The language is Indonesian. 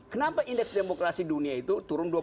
kenapa indeks demokrasi dunia itu turun